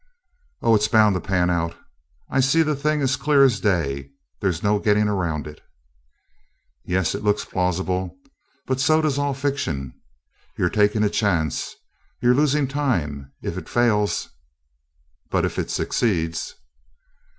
"Oh, it 's bound to pan out. I see the thing as clear as day. There 's no getting around it." "Yes, it looks plausible, but so does all fiction. You 're taking a chance. You 're losing time. If it fails " "But if it succeeds?"